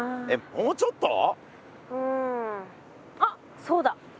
うんあっそうだ。